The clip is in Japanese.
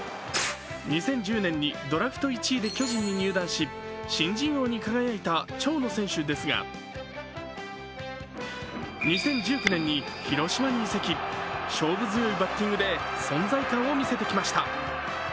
２０１０年にドラフト１位で巨人に入団し新人王に輝いた長野選手ですが２０１９年に広島に移籍勝負強いバッティングで存在感を見せてきました。